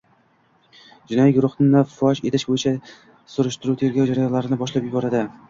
jinoiy guruhni fosh etish bo‘yicha surishtiruv-tergov jarayonlarini boshlab yuboradi.